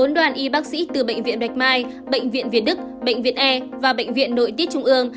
bốn đoàn y bác sĩ từ bệnh viện bạch mai bệnh viện việt đức bệnh viện e và bệnh viện nội tiết trung ương